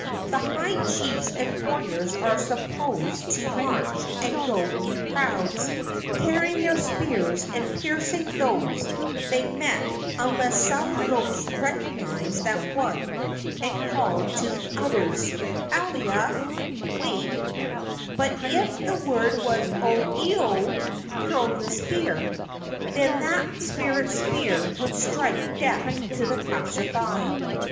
The high chiefs and warriors are supposed to march and go in crowds, carrying their spears and piercing those they met unless some ghost recognized that one and called to the others, "Alia [wait]," but if the word was "O i o [throw the spear]!" then that spirit's spear would strike death to the passer by.